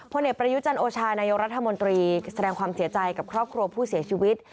เอกประยุจันโอชานายกรัฐมนตรีแสดงความเสียใจกับครอบครัวผู้เสียชีวิต